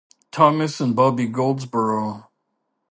Thomas and Bobby Goldsboro.